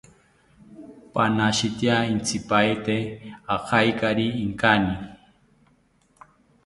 Panashitya intzipaete agaikari inkani